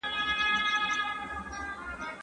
د راتلونکي لپاره ډېر دقیق اټکلونه سوي دي.